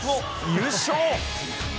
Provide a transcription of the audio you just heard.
優勝！